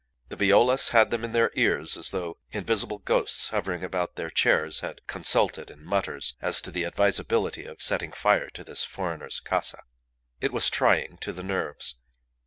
The Violas had them in their ears as though invisible ghosts hovering about their chairs had consulted in mutters as to the advisability of setting fire to this foreigner's casa. It was trying to the nerves.